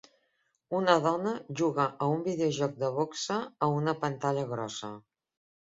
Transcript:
Una dona juga a un videojoc de boxa a una pantalla grossa.